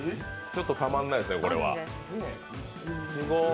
ちょっとたまらないですね、これは。